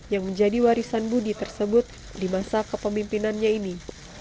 yang menjadi warisan budi tersebut di masa kepemimpinannya ini